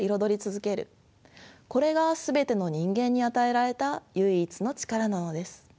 これが全ての人間に与えられた唯一の力なのです。